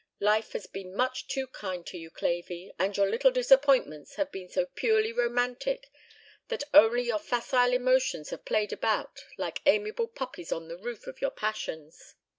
Life has been much too kind to you, Clavey, and your little disappointments have been so purely romantic that only your facile emotions have played about like amiable puppies on the roof of your passions.